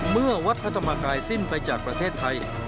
เมื่อวัดพระธรรมกายสิ้นไปจากประเทศไทย